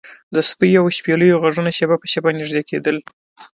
د سپیو او شپېلیو غږونه شیبه په شیبه نږدې کیدل